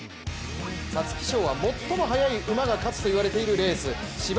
皐月賞は最も速い馬が勝つといわれているレース。